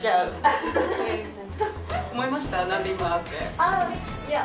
ああいや。